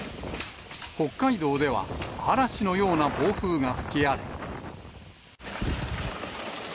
北海道では、嵐のような暴風が吹き荒れ。